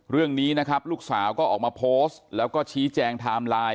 เรื่องนี้นะครับลูกสาวก็ออกมาโพสต์แล้วก็ชี้แจงไทม์ไลน์